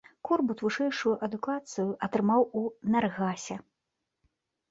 Корбут вышэйшую адукацыю атрымаў у наргасе.